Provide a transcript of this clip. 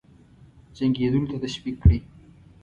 جنګېدلو ته تشویق کړي.